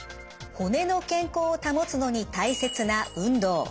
骨の健康を保つのに大切な運動。